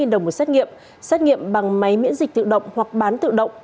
bảy mươi tám đồng một xét nghiệm xét nghiệm bằng máy miễn dịch tự động hoặc bán tự động